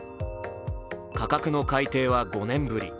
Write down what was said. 価格の改定は５年ぶり。